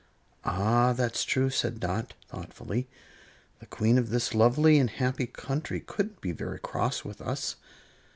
"Ah! That's true," said Dot, thoughtfully; "the Queen of this lovely and happy country couldn't be very cross with us."